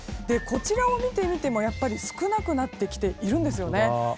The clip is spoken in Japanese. こちらを見てみても、やはり少なくなってきているんですね。